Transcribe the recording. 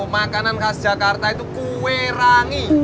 makanan khas jakarta itu kue rangi